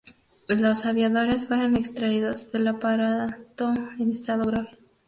Los aviadores fueron extraídos del aparato en estado grave.